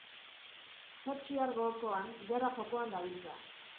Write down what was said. Pertsiar golkoan gerra jokoan dabiltza.